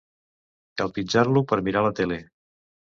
Cal pitjar-lo per mirar la tele.